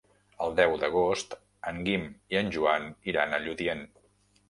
El deu d'agost en Guim i en Joan iran a Lludient.